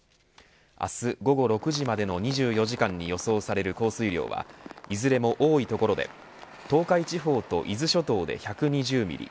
明日午後６時までの２４時間に予想される降水量はいずれも多い所で東海地方と伊豆諸島で１２０ミリ